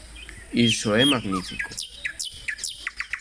Iso é magnífico.